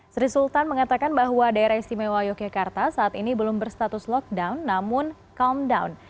sri sultan mengatakan bahwa daerah istimewa yogyakarta saat ini belum berstatus lockdown namun com down